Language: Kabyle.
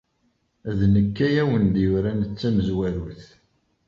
D nekk ay awen-d-yuran d tamezwarut.